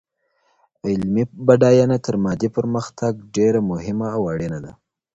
علمي بډاينه تر مادي پرمختګ ډېره مهمه او اړينه ده.